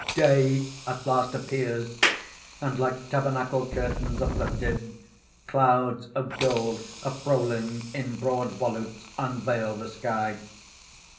(_Day at last appears; and, like tabernacle curtains uplifted, clouds of gold uprolling in broad volutes unveil the sky.